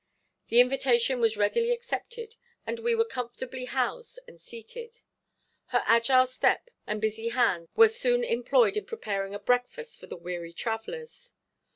The invitation was readily accepted and we were comfortably housed and seated. Her agile step and busy hands were soon employed in preparing a breakfast for the weary travelers.